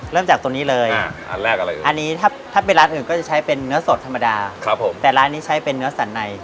เริ่มจากตรงนี้เลยอันแรกอะไรอันนี้ถ้าเป็นร้านอื่นก็จะใช้เป็นเนื้อสดธรรมดาครับผมแต่ร้านนี้ใช้เป็นเนื้อสันใน